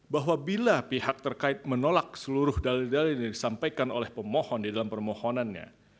bahwa bila pihak terkait menolak seluruh dalil dalil yang disampaikan oleh pemohon di dalam permohonannya